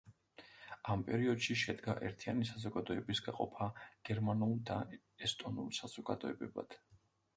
ამ პერიოდში შედგა ერთიანი საზოგადების გაყოფა გერმანულ და ესტონურ საზოგადოებებად.